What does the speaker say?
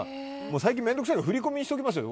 最近面倒くさいから振り込みにしてます。